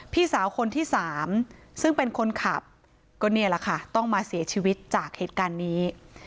พี่สาวคนที่สามซึ่งเป็นคนขับก็นี่แหละค่ะต้องมาเสียชีวิตจากเหตุการณ์นี้